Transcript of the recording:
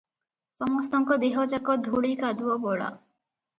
ସମସ୍ତଙ୍କ ଦେହଯାକ ଧୂଳି କାଦୁଅ ବୋଳା ।